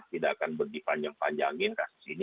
tidak akan dipanjang panjangin